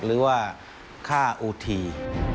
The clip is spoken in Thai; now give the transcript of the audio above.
หรือว่าค่าโอที